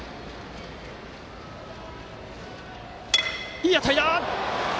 いい当たりだ！